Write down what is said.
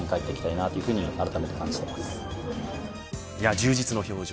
充実の表情。